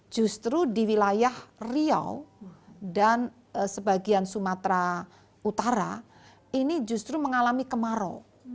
justru di wilayah riau dan sebagian sumatera utara ini justru mengalami kemarau